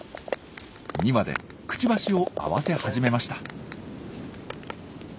２羽でくちばしを合わせ始めました。